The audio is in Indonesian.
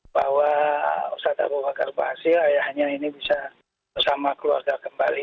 bahwa ustadz abu bakar basir ayahnya ini bisa bersama keluarga kembali